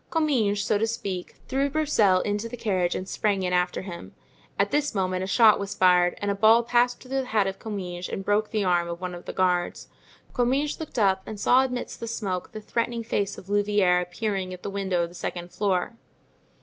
Comminges, so to speak, threw Broussel into the carriage and sprang in after him. At this moment a shot was fired and a ball passed through the hat of Comminges and broke the arm of one of the guards. Comminges looked up and saw amidst the smoke the threatening face of Louvieres appearing at the window of the second floor.